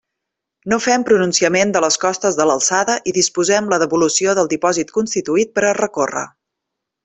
No fem pronunciament de les costes de l'alçada i disposem la devolució del dipòsit constituït per a recórrer.